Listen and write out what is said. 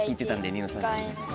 『ニノさん』。